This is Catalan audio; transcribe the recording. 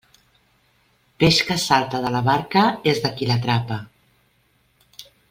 Peix que salta de la barca és de qui l'atrapa.